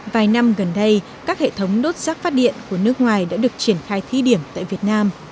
vài năm gần đây các hệ thống đốt rác phát điện của nước ngoài đã được triển khai thí điểm tại việt nam